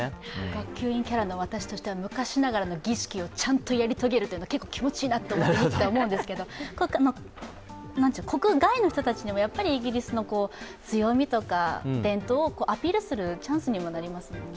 学級委員キャラの私としては、昔ながらの儀式をちゃんとやり遂げるというのは、気持ちいいなと思うんですけど、国外の人たちにもイギリスの強みとか伝統をアピールするチャンスにもなりますもんね。